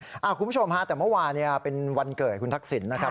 คุณผู้ชมฮะแต่เมื่อวานเป็นวันเกิดคุณทักษิณนะครับ